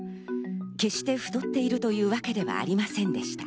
決して太っているというわけではありませんでした。